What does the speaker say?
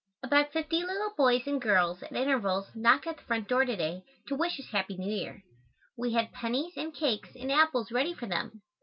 _ About fifty little boys and girls at intervals knocked at the front door to day, to wish us Happy New Year. We had pennies and cakes and apples ready for them.